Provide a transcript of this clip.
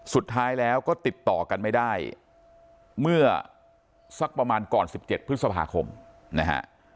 สุดท้ายแล้วก็ติดต่อกันไม่ได้เมื่อสักประมาณก่อน๑๗พฤษภาคมนะฮะ